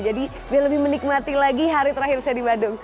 jadi biar lebih menikmati lagi hari terakhir saya di bandung